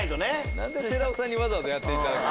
何で寺尾さんにわざわざやっていただくの？